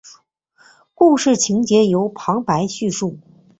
故事情节由旁白叙述。